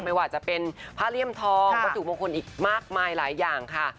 ไม่ว่าจะเป็นผ้าเลี่ยมทองวัตถุมงคลอีกมากมายหลายอย่างค่ะ